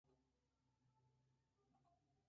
El evento comenzó y terminó en The Mall.